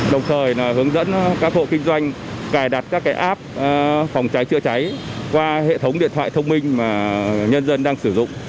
đồng thời hướng dẫn các hộ kinh doanh cài đặt các app phòng cháy chữa cháy qua hệ thống điện thoại thông minh mà nhân dân đang sử dụng